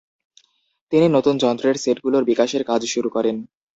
তিনি নতুন যন্ত্রের সেটগুলোর বিকাশের কাজ শুরু করেন।